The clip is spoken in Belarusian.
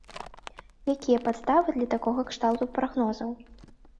Якія падставы для такога кшталту прагнозаў?